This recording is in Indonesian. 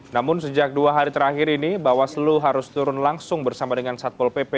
namun sejak dua hari terakhir ini bawaslu harus turun langsung bersama dengan satpol pp